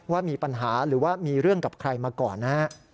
ว่ามีปัญหาหรือว่ามีเรื่องกับใครมาก่อนนะฮะ